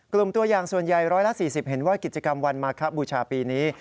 ตัวอย่างส่วนใหญ่๑๔๐เห็นว่ากิจกรรมวันมาคบูชาปีนี้